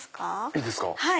いいですか。